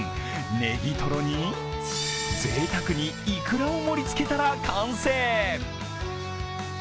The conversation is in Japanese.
ネギトロにぜいたくに、いくらを盛りつけたら完成。